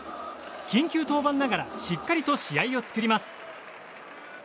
緊急登板ながらしっかりと試合を作ります。